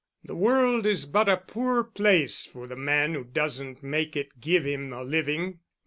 The world is but a poor place for the man who doesn't make it give him a living.